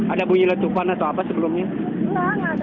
ada bunyi letupan atau apa sebelumnya